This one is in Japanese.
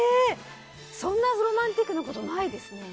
そんなロマンチックなことないですね。